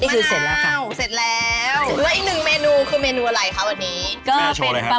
ก็ใส่พริกใส่พริกไวมาก